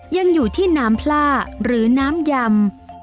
ยังอยู่ที่น้ำพล่าหรือน้ำยำ